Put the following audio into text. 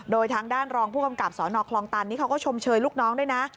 โดยทางด้านรองผู้กำกับสนคลองตันนี่เขาก็ชมเชยลูกน้องด้วยนะ